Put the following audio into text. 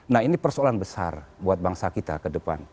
nah ini persoalan besar buat bangsa kita ke depan